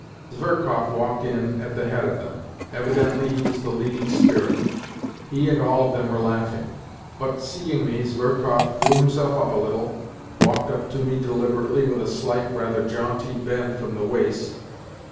Zverkov walked in at the head of them ; evidently he was the leading spirit. He and all of them were laughing; but, seeing me, Zverkov drew himself up a little, walked up to me deliberately with a slight, rather jaunty bend from the waist.